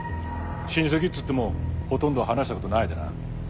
親戚っつってもほとんど話した事ないでな。